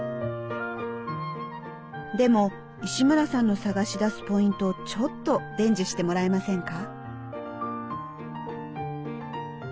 でも石村さんの探し出すポイントをちょっと伝授してもらえませんか？